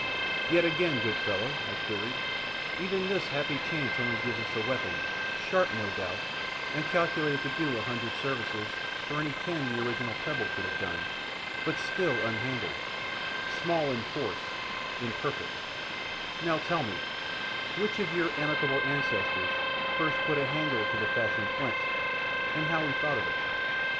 "Yet again, good fellow," I queried, "even this happy chance only gives us a weapon, sharp, no doubt, and calculated to do a hundred services for any ten the original pebble could have done, but still unhandled, small in force, imperfect now tell me, which of your amiable ancestors first put a handle to the fashioned flint, and how he thought of it?"